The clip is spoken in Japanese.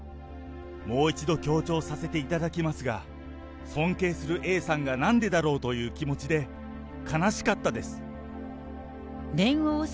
もう一度強調させていただきますが、尊敬するＡさんがなんでだろうという気持ちで、悲しかったです。